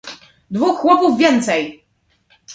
"dwóch chłopów więcej!"